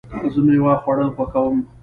زه مېوه خوړل خوښوم.